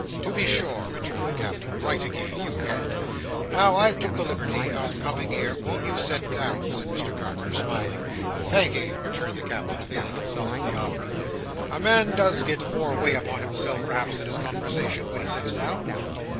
"To be sure!" returned the Captain. "Right again! you had. Now I've took the liberty of coming here— "Won't you sit down?" said Mr Carker, smiling. "Thank'ee," returned the Captain, availing himself of the offer. "A man does get more way upon himself, perhaps, in his conversation, when he sits down.